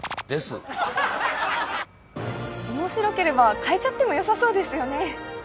面白ければ変えちゃってもよさそうですよね。